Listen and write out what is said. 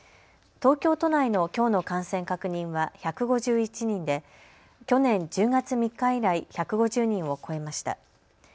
東京都内のきょうの感染確認は１５１人で去年１０月３日以来、１５０人を超えました。